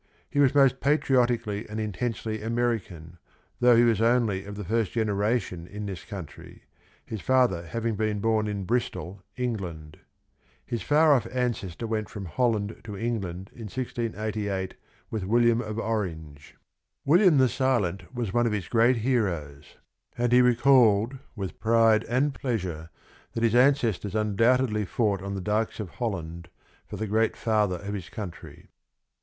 He was most patriotic ally and intensely American, though he was only of the first generation in this country, his father having been born in Bristol, England. His far off ancestor went from Holland to England in 1688 with William of Orange. William the Silent was one of his great heroes and he recalled viii FOREWORD with pride and pleasure that his ancestors un doubtedly fought on the dykes of Holland for the great Father of his Country.